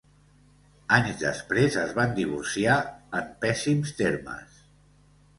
Anys després es van divorciar en pèssims termes.